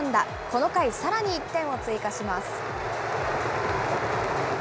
この回、さらに１点を追加します。